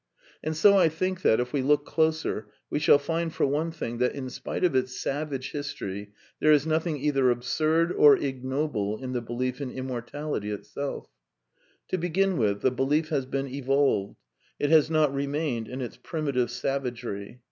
And so I think that, if we look closer, we shall find for one thing that, in spite of its savage history, there is nothing either absurd or ignoble in the belief in immor tality itself. To begin with, the belief has been evolved. It has not remained in its primitive savagery.